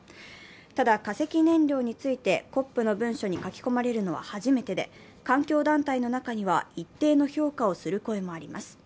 ただ、化石燃料についてＣＯＰの文書に書き込まれれるのは初めてで環境団体の中には一定の評価をする声もあります。